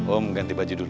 om ganti baju dulu